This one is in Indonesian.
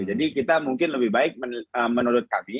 jadi kita mungkin lebih baik menurut kami